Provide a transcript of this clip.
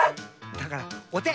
だからおて！